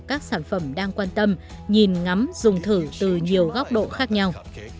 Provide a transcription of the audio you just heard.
các sản phẩm đang quan tâm nhìn ngắm dùng thử từ nhiều góc độ khác nhau